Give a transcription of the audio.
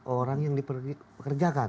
orang yang diperkerjakan